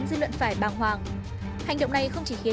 cứ phải bình tĩnh thôi giải quyết thôi